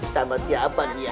sama siapa dia